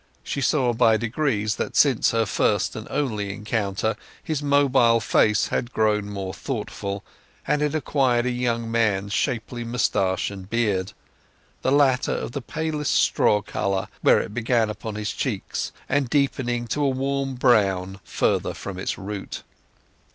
She saw by degrees that since their first and only encounter his mobile face had grown more thoughtful, and had acquired a young man's shapely moustache and beard—the latter of the palest straw colour where it began upon his cheeks, and deepening to a warm brown farther from its root.